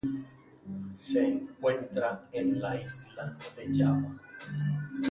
Se encuentra en la isla de Java.